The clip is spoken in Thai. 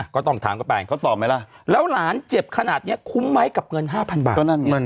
ก็ต้องถามกับแฟนเขาตอบไหมล่ะแล้วหลานเจ็บขนาดนี้คุ้มไหมกับเงิน๕๐๐บาท